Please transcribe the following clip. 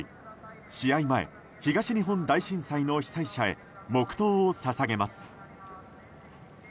試合前、東日本大震災の被災者へ黙祷を捧げます。